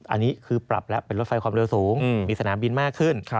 อันนี้คือปรับแล้วเป็นรถไฟความเร็วสูงมีสนามบินมากขึ้น